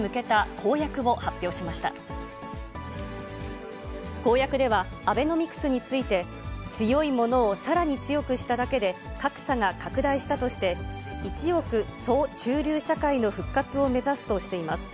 公約では、アベノミクスについて、強い者をさらに強くしただけで、格差が拡大したとして、１億総中流社会の復活を目指すとしています。